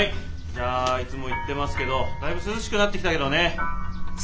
じゃあいつも言ってますけどだいぶ涼しくなってきたけどね。